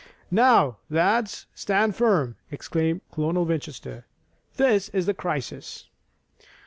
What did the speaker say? "Now, lads, stand firm!" exclaimed Colonel Winchester. "This is the crisis."